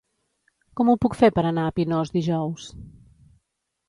Com ho puc fer per anar a Pinós dijous?